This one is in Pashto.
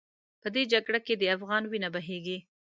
په دې جګړه کې د افغان وینه بهېږي.